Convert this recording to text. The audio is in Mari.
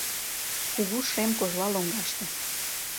Кугу шем кожла лоҥгаште